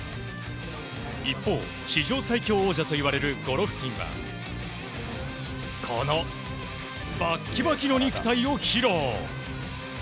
一方、史上最強王者といわれるゴロフキンはこのバッキバキの肉体を披露。